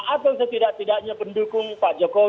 atau setidak tidaknya pendukung pak jokowi